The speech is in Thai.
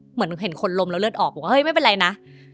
เหมือนเห็นคนลมแล้วเลือดออกบอกว่าเฮ้ยไม่เป็นไรนะ